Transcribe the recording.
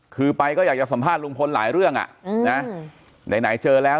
คือไปก็อยากจะสัมภาษณ์ลุงพลหลายเรื่องอ่ะนะไหนเจอแล้ว